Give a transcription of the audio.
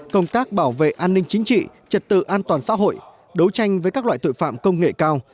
công tác bảo vệ an ninh chính trị trật tự an toàn xã hội đấu tranh với các loại tội phạm công nghệ cao